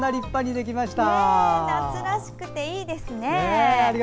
夏らしくていいですね。